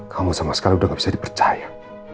kamu sama sekali udah gak bisa dipercaya